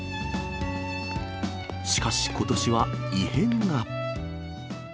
しかし、ことしは異変が。